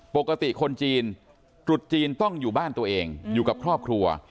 ปกติคนจีนตรุษจีนต้องอยู่บ้านตัวเองอยู่กับครอบครัว